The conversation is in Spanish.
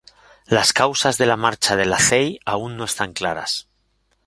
Las causas de la marcha de Lacey aún no están claras.